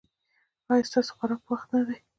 ایا ستاسو خوراک په وخت نه دی؟